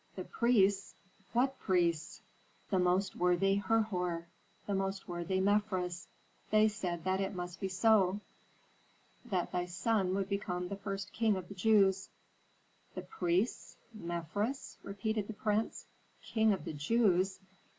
"The priests! What priests?" "The most worthy Herhor, the most worthy Mefres. They said that it must be so, that thy son would become the first king of the Jews." "The priests? Mefres?" repeated the prince. "King of the Jews?